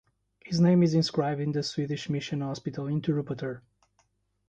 His name is inscribed in the Swedish Mission Hospital in Tirupattur.